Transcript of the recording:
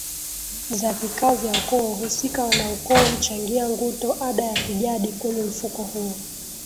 za vikao vya ukoo husika Wanaukoo huchangia Nguto ada ya kijadi kwenye mfuko huo